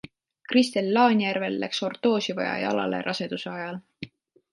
Kristel Laanjärvel läks ortoosi vaja jalale raseduse ajal.